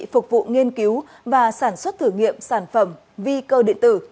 phục vụ nghiên cứu và sản xuất thử nghiệm sản phẩm vi cơ điện tử